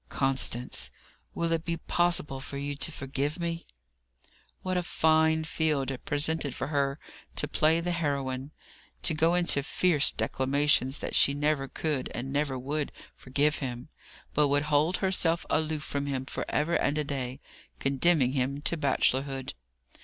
"Constance, will it be possible for you to forgive me?" What a fine field it presented for her to play the heroine! To go into fierce declamations that she never could, and never would forgive him, but would hold herself aloof from him for ever and a day, condemning him to bachelorhood!